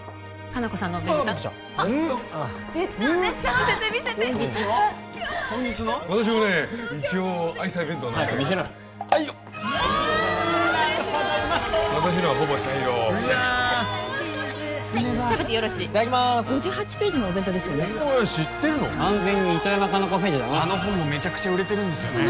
あの本もめちゃくちゃ売れてるんですよね？